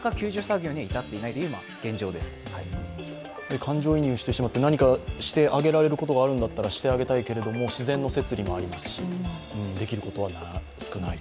感情移入してしまって、何かしてあげられることがあるんだったらしてあげたいけれども自然の摂理もありますしできることは少ないと。